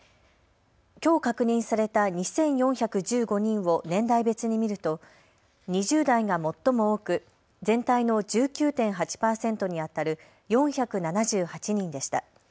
きょう確認された２４１５人を年代別に見ると２０代が最も多く全体の１９．８％にあたる４７８人でした。